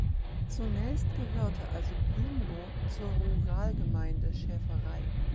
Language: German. Zunächst gehörte also Blumloh zur Ruralgemeinde Schäferei.